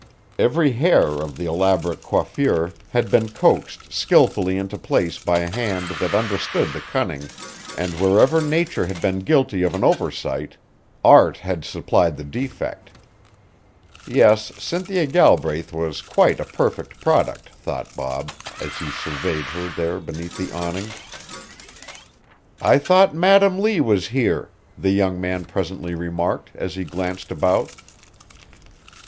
Every hair of the elaborate coiffure had been coaxed skilfully into place by a hand that understood the cunning, and wherever nature had been guilty of an oversight art had supplied the defect. Yes, Cynthia Galbraith was quite a perfect product, thought Bob, as he surveyed her there beneath the awning. "I thought Madam Lee was here," the young man presently remarked, as he glanced about.